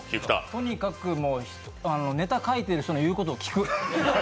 とにかくネタ書いてる人の言うことを聞く！